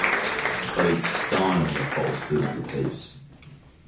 But it’s style that bolsters the piece.